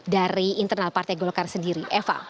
dari internal partai golkar sendiri eva